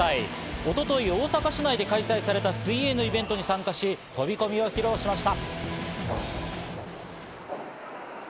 一昨日、大阪市内で開催された水泳のイベントに参加し飛び込みを披露しました。